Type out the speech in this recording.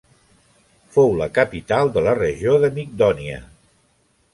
Fou la capital de la regió de Migdònia.